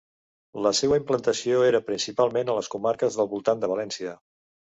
La seua implantació era principalment a les comarques del voltant de València.